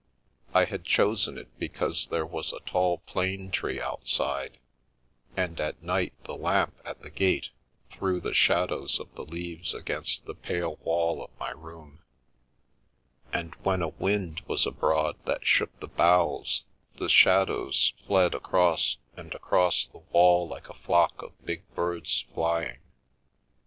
I had chosen it because there was a tall plane tree outside, and at night the lamp at the gate threw the shadows of the leaves against the pale wall of my room, and, when a wind was abroad that shook the boughs, the shadows fled across and across the wall like a flock of big birds flying.